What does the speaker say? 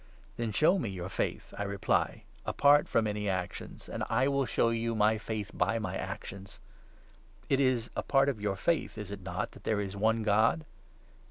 " Then show me your faith," I reply, "apart from any actions, and I will show you my faith by my actions." It is a part of 19 your Faith, is it not, that there is one God